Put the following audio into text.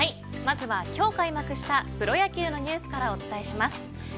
まずは、今日開幕したプロ野球からお伝えします。